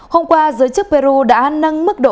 hôm qua giới chức peru đã nâng mức độ